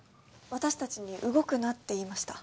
私達に動くなって言いました